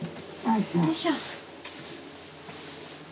よいしょ。